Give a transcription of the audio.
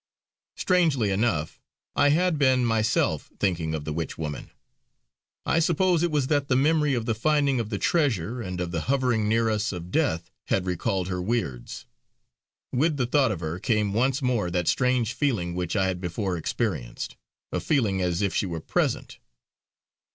Strangely enough, I had been myself thinking of the Witch woman. I suppose it was that the memory of the finding of the treasure, and of the hovering near us of death, had recalled her weirds. With the thought of her, came once more that strange feeling which I had before experienced, a feeling as if she were present.